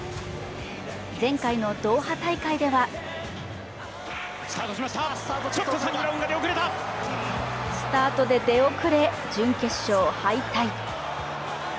前回のドーハ大会ではスタートで出遅れ、準決勝敗退。